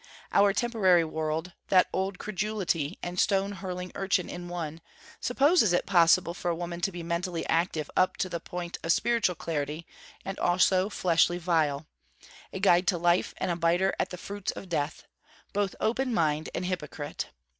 Our temporary world, that Old Credulity and stone hurling urchin in one, supposes it possible for a woman to be mentally active up to the point of spiritual clarity and also fleshly vile; a guide to life and a biter at the fruits of death; both open mind and hypocrite.